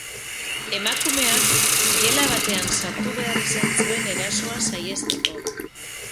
Emakumeak gela batean sartu behar izan zuen erasoa saihesteko.